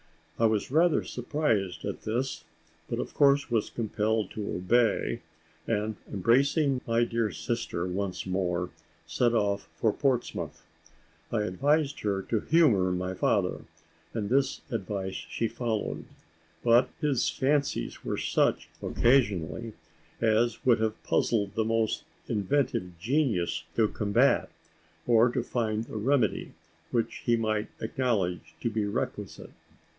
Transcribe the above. I was rather surprised at this, but of course was compelled to obey and, embracing my dear sister once more, set off for Portsmouth. I advised her to humour my father, and this advice she followed; but his fancies were such, occasionally, as would have puzzled the most inventive genius to combat, or to find the remedy which he might acknowledge to be requisite.